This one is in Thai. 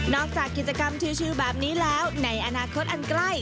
จากกิจกรรมชิวแบบนี้แล้วในอนาคตอันใกล้